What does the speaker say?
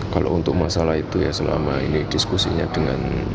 kalau untuk masalah itu ya selama ini diskusinya dengan